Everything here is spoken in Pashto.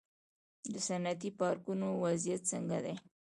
د صنعتي پارکونو وضعیت څنګه دی؟